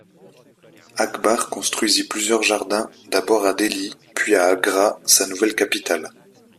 Akbar construisit plusieurs jardins, d'abord à Delhi, puis à Agra, sa nouvelle capitale.